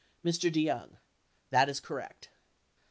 Mr. DeYoung. That is correct.